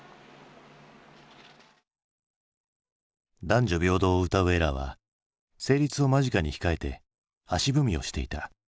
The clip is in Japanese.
男女平等をうたうＥＲＡは成立を間近に控えて足踏みをしていた。